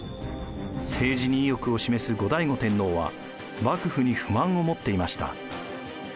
政治に意欲を示す後醍醐天皇は幕府に不満を持っていました。